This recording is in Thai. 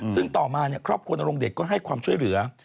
ซึ่งต่อมาครอบครัวนรงเดชก็ให้ความช่วยเหลือ